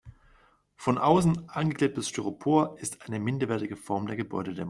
Von außen angeklebtes Styropor ist eine minderwertige Form der Gebäudedämmung.